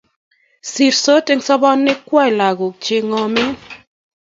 sirsot eng' sobonwokwak lagok che ng'omen